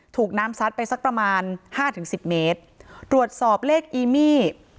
ถูกน้ำซัดไปสักประมาณ๕๑๐เมตรรวดสอบเลขอีมี่